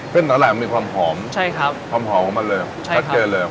สาหร่ายมันมีความหอมใช่ครับความหอมของมันเลยใช่ชัดเจนเลย